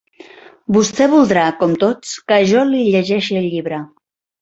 Vostè voldrà, com tots, que jo li llegeixi el llibre